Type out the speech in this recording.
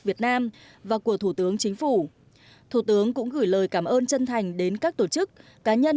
việt nam và của thủ tướng chính phủ thủ tướng cũng gửi lời cảm ơn chân thành đến các tổ chức cá nhân